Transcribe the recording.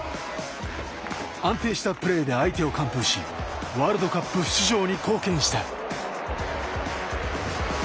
安定したプレーで相手を完封しワールドカップ出場に貢献した。